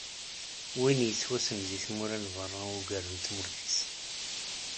Win i yettwassnen di tmura n berra ugar n tmurt-is.